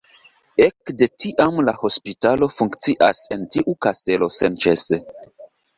Ekde tiam la hospitalo funkcias en tiu kastelo senĉese.